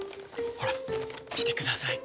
ほら見てください。